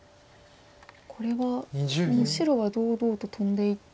これはもう白は堂々とトンでいって。